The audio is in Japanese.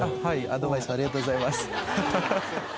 アドバイスありがとうございます。